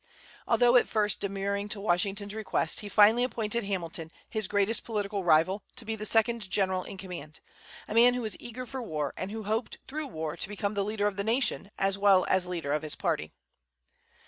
Although at first demurring to Washington's request, he finally appointed Hamilton, his greatest political rival, to be the second general in command, a man who was eager for war, and who hoped, through war, to become the leader of the nation, as well as leader of his party.